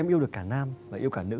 em yêu được cả nam và yêu cả nữ